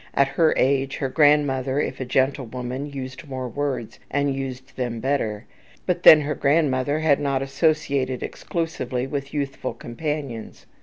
At her age, her grandmother, if a gentlewoman, used more words, and used them better. But then her grandmother had not associated exclusively with youthful companions.